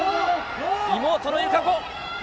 妹の友香子。